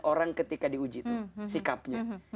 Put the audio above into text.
orang ketika diuji itu